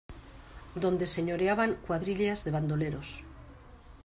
donde señoreaban cuadrillas de bandoleros: